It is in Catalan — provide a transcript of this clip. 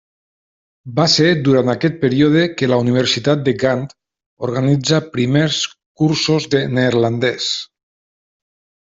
Va ser durant aquest període que la Universitat de Gant organitza primers cursos de neerlandès.